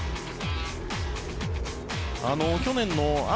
去年の秋